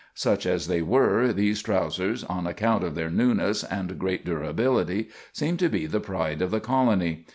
Such as they are, these trousers, on account of their newness and great durability, seem to be the pride of the colony.